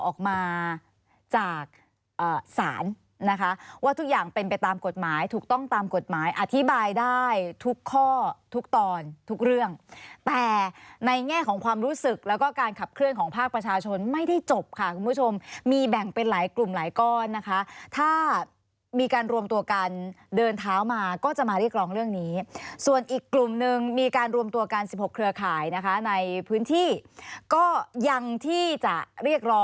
ออกมาจากศาลนะคะว่าทุกอย่างเป็นไปตามกฎหมายถูกต้องตามกฎหมายอธิบายได้ทุกข้อทุกตอนทุกเรื่องแต่ในแง่ของความรู้สึกแล้วก็การขับเคลื่อนของภาคประชาชนไม่ได้จบค่ะคุณผู้ชมมีแบ่งเป็นหลายกลุ่มหลายก้อนนะคะถ้ามีการรวมตัวกันเดินเท้ามาก็จะมาเรียกร้องเรื่องนี้ส่วนอีกกลุ่มนึงมีการรวมตัวกัน๑๖เครือข่ายนะคะในพื้นที่ก็ยังที่จะเรียกรอ